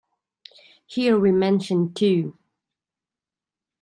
Here we mention two.